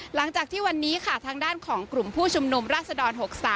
หลังจากที่วันนี้ค่ะทางด้านของกลุ่มผู้ชุมนุมราชดร๖๓